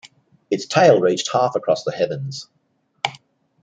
Its tail reached half across the heavens.